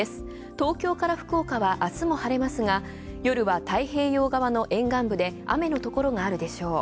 東京から福岡はあすも晴れますが、夜は太平洋側の沿岸部で雨のところがあるでしょう。